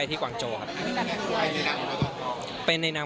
ส่งมาละเดือนหน้า